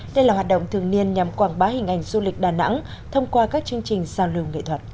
đây là hoạt động thường niên nhằm quảng bá hình ảnh du lịch đà nẵng thông qua các chương trình giao lưu nghệ thuật